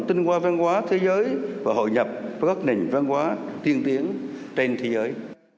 tinh hoa văn hóa thế giới và hội nhập với các nền văn hóa tiên tiến trên thế giới